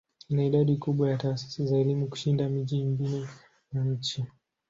Ina idadi kubwa ya taasisi za elimu kushinda miji mingine ya nchi.